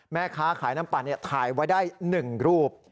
แม่ค้าขายน้ำปั่นถ่ายไว้ได้๑รูป